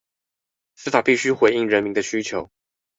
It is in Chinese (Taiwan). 司法必須回應人民的需求